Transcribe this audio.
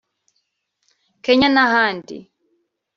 Kenya n’ahandi